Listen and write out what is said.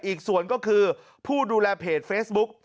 อีกส่วนก็คือผู้ดูแลเพจเฟซบุ๊ก